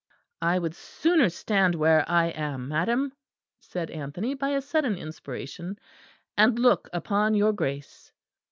"I would sooner stand where I am, madam," said Anthony, by a sudden inspiration, "and look upon your Grace."